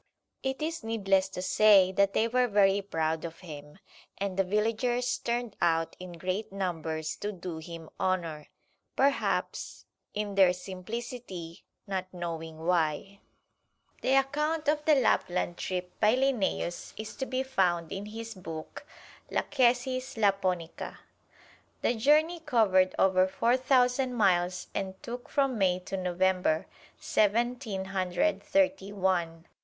It is needless to say that they were very proud of him, and the villagers turned out in great numbers to do him honor, perhaps, in their simplicity, not knowing why. The account of the Lapland trip by Linnæus is to be found in his book, "Lachesis Lapponica." The journey covered over four thousand miles and took from May to November, Seventeen Hundred Thirty one.